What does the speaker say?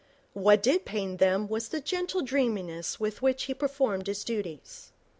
What did pain them was the gentle dreaminess with which he performed his duties.